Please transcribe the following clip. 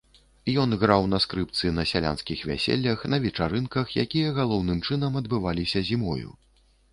Ён граў на скрыпцы на сялянскіх вяселлях, на вечарынках, якія галоўным чынам адбываліся зімою.